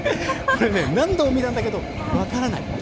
何度も見たんだけど分からない。